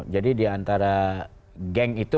jadi diantara geng itu